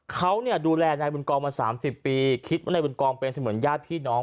เขาดูแลนายบุญกองมา๓๐ปีคิดว่านายบุญกองเป็นเสมือนญาติพี่น้อง